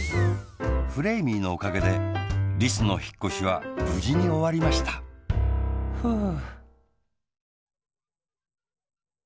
フレーミーのおかけでリスのひっこしはぶじにおわりましたふう。